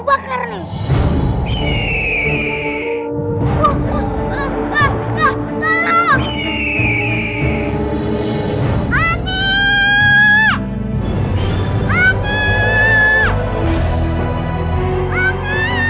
eh karpet terbang turunin aku enggak